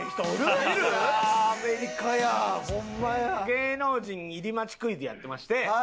芸能人入り待ちクイズやってまして。